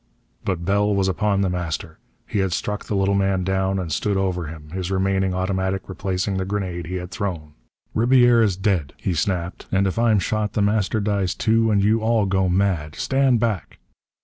But Bell was upon The Master. He had struck the little man down and stood over him, his remaining automatic replacing the grenade he had thrown. "Ribiera's dead," he snapped, "and if I'm shot The Master dies too and you all go mad! Stand back!"